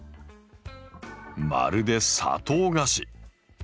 まるで砂糖菓子。